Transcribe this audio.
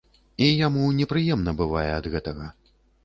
І яму непрыемна бывае ад гэтага.